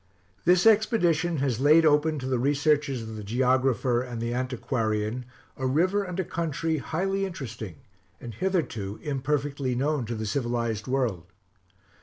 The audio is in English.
This expedition has laid open to the researches of the geographer and the antiquarian a river and a country highly interesting, and hitherto imperfectly known to the civilized world.